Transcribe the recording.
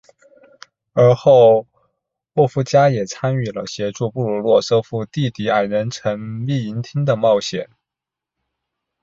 而后沃夫加也参与了协助布鲁诺收复地底矮人城秘银厅的冒险。